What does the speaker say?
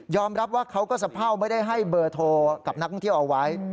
รับว่าเขาก็สะเภาไม่ได้ให้เบอร์โทรกับนักท่องเที่ยวเอาไว้